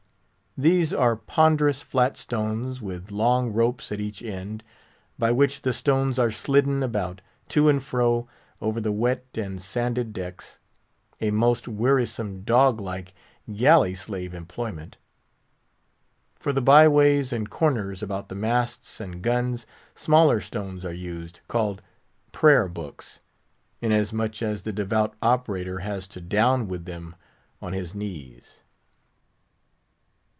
These are ponderous flat stones with long ropes at each end, by which the stones are slidden about, to and fro, over the wet and sanded decks; a most wearisome, dog like, galley slave employment. For the byways and corners about the masts and guns, smaller stones are used, called prayer books; inasmuch as the devout operator has to down with them on his knees.